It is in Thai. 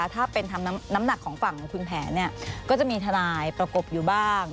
ถ้าเป็นทำน้ำหนักของฝั่งคุณแผนก็จะมีทนายประกบอยู่บ้าง